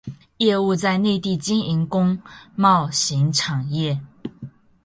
业务在内地经营工贸型产业。